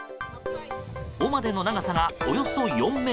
尾までの長さがおよそ４ｍ。